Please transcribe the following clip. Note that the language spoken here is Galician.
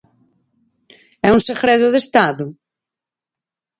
¿É un segredo de Estado?